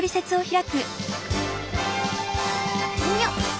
よっ。